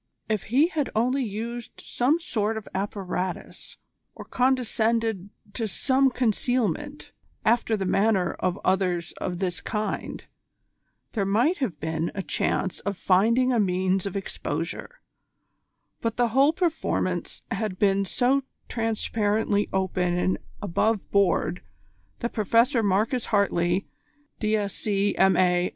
If he had only used some sort of apparatus, or condescended to some concealment, after the manner of others of this kind, there might have been a chance of finding a means of exposure; but the whole performance had been so transparently open and aboveboard that Professor Marcus Hartley, D.Sc., M.A.